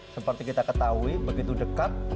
seperti kita ketahui begitu dekat